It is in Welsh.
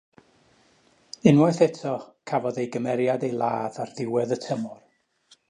Unwaith eto, cafodd ei gymeriad ei ladd ar ddiwedd y tymor.